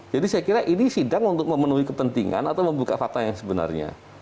saya kira ini sidang untuk memenuhi kepentingan atau membuka fakta yang sebenarnya